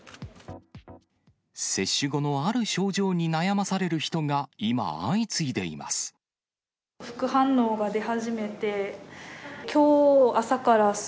接種後のある症状に悩まされる人が今、相次いでいます。